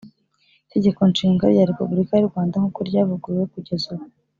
itegeko nshinga rya republika y’u rwanda nkuko ryavuguruwe kugeza ubu,